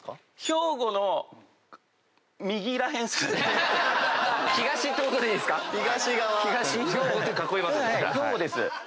兵庫です。